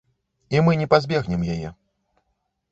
І мы не пазбегнем яе.